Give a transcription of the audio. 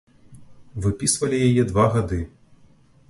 Выпісвалі яе два гады.